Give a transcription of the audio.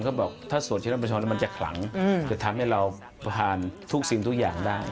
เขาบอกถ้าสวดที่รับประชอนมันจะขลังจะทำให้เราผ่านทุกสิ่งทุกอย่างได้